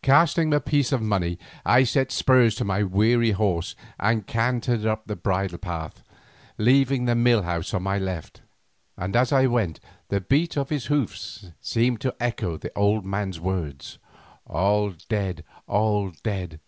Casting him a piece of money, I set spurs to my weary horse and cantered up the bridle path, leaving the Mill House on my left, and as I went, the beat of his hoofs seemed to echo the old man's words, "All dead, all dead!"